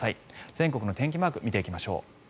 全国の天気マークを見ていきましょう。